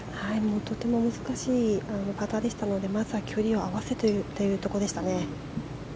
とても難しいパターでしたのでまずは距離を合わせてというところでしたね。